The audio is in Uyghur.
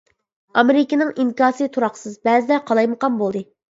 ئامېرىكىنىڭ ئىنكاسى تۇراقسىز ، بەزىدە قالايمىقان بولدى .